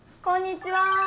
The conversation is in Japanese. こんにちは。